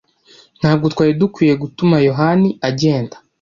Ntabwo twari dukwiye gutuma Yohani agenda.